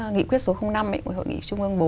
nghị quyết số năm của hội nghị trung ương bốn